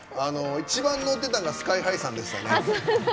一番のってたのがＳＫＹ‐ＨＩさんでしたね。